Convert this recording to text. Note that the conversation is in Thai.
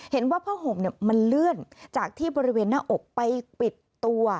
เห็นว่าผ้าห่มมันเลื่อนจากที่บริเวณหน้าอกไปปิดตัว